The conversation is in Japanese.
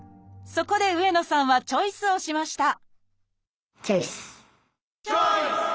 そこで上野さんはチョイスをしましたチョイス！